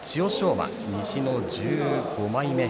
馬西の１５枚目。